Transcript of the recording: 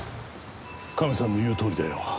カメさんの言うとおりだよ。